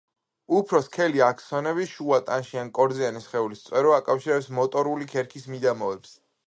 უფრო სქელი აქსონები, შუა ტანში, ან კორძიანი სხეულის წვერო, აკავშირებს მოტორული ქერქის მიდამოებს.